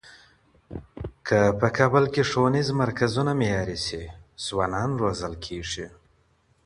که په کابل کي ښوونیز مرکزونه معیاري شي، ځوانان روزل کیږي.